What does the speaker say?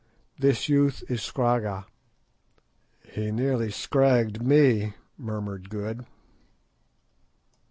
This youth is Scragga." "He nearly scragged me," murmured Good.